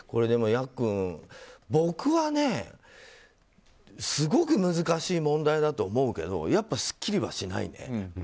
ヤックン、僕はねすごく難しい問題だと思うけどやっぱ、すっきりはしないね。